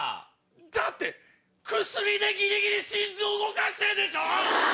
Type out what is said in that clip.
だって薬でギリギリ心臓動かしてんでしょ？